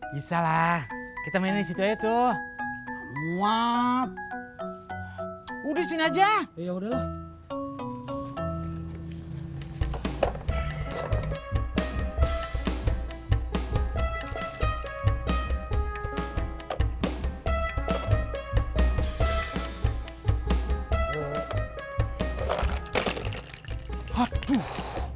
bisa lah kita mainin di situ aja tuh